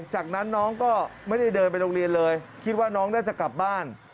จากนั้นน้องก็ไม่ได้เดินไปโรงเรียนเลยคิดว่าน้องน่าจะกลับบ้าน